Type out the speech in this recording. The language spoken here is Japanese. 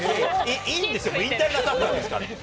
いいんですよ、もう引退なさったんですから。